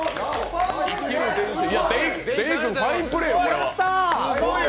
出井君ファインプレーよ、これは。